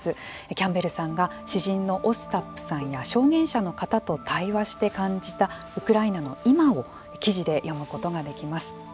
キャンベルさんが詩人のオスタップさんや証言者の方と対話して感じたウクライナの今を記事で読むことができます。